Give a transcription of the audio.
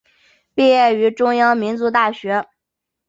毕业于中央民族大学。